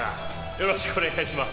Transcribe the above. よろしくお願いします。